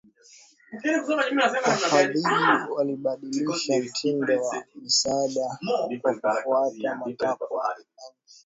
Wafadhili walibadilisha mtindo wa misaada kwa kufuata matakwa ya nchi